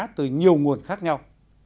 từ nhiều nguồn khác nhau